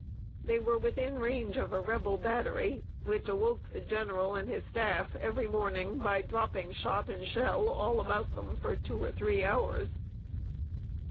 They were within range of a Rebel battery, which awoke the general and his staff every morning, by dropping shot and shell all about them for two or three hours.